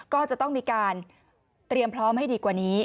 ก็จะต้องมีการเตรียมพร้อมให้ดีกว่านี้